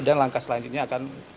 dan langkah selanjutnya akan berlaku